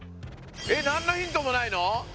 えっ何のヒントもないの？